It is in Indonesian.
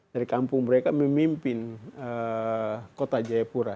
dari kampung mereka memimpin kota jayapura